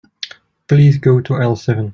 Please go to aisle seven.